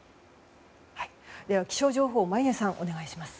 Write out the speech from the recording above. では、気象情報眞家さんお願いします。